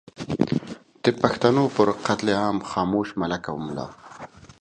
د پښتنو پر قتل عام خاموش ملک او ملا